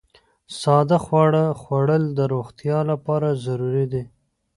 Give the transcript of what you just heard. ساده خواړه خوړل د روغتیا لپاره ضروري دي.